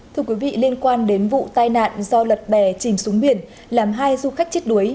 thưa quý vị liên quan đến vụ tai nạn do lật bè chìm xuống biển làm hai du khách chết đuối